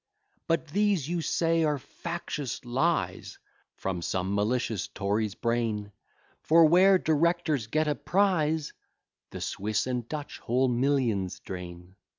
But these, you say, are factious lies, From some malicious Tory's brain; For, where directors get a prize, The Swiss and Dutch whole millions drain.